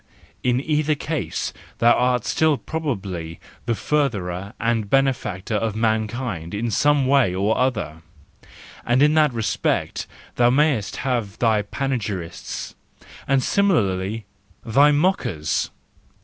—in either case thou art still probably the furtherer and benefactor of mankind in some way or other, and in that respect thou mayest have thy panegyrists—and similarly thy mockers